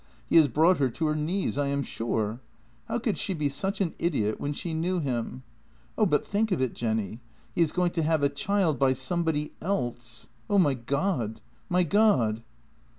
He has brought her to her knees, I am sure. How could she be such an idiot, when she knew him? Oh, but think of it, Jenny! He is going to have a child by somebody else — oh, my God! my God!